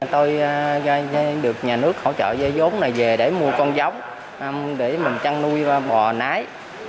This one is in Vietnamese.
tôi được nhà nước hỗ trợ dây giống này về để mua con giống để mình chăn nuôi bò nái